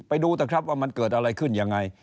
ไปดูเถอะครับว่ามันเกิดอะไรขึ้นยังไง